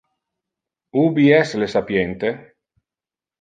Ubi es le sapiente?